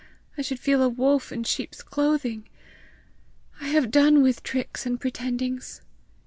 I should feel a wolf in sheep's clothing! I have done with tricks and pretendings!